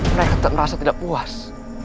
mereka merasa tidak puas